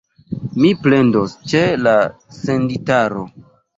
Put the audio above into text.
Mi plendos ĉe la senditaro.